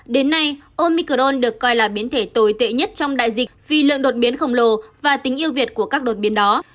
đến nay omicron được coi là biến thể tồi tệ nhất trong đại dịch vì lượng đột biến khổng lồ và tính yêu việt của các đột biến đó